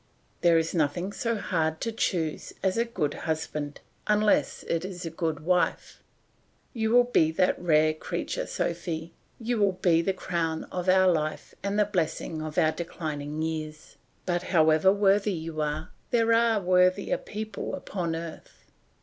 "There is nothing so hard to choose as a good husband, unless it is a good wife. You will be that rare creature, Sophy, you will be the crown of our life and the blessing of our declining years; but however worthy you are, there are worthier people upon earth.